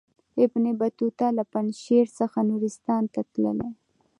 ابن بطوطه له پنجشیر څخه نورستان ته تللی.